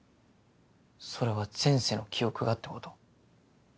それは前世の記憶がってこと？